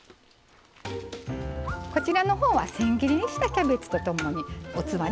こちらのほうはせん切りにしたキャベツとともに器に盛っています。